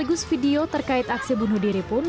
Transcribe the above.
sekaligus video terkait aksi bunuh diri pun